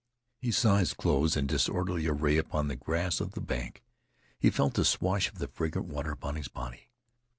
He saw his clothes in disorderly array upon the grass of the bank. He felt the swash of the fragrant water upon his body.